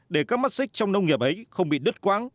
để các mắt xích trong nông nghiệp ấy không bị đứt quãng